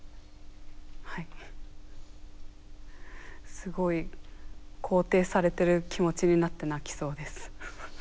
すごい肯定されてる気持ちになって泣きそうです。